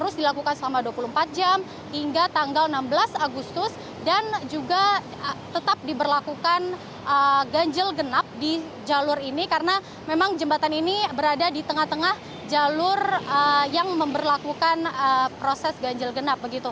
terus dilakukan selama dua puluh empat jam hingga tanggal enam belas agustus dan juga tetap diberlakukan ganjil genap di jalur ini karena memang jembatan ini berada di tengah tengah jalur yang memperlakukan proses ganjil genap begitu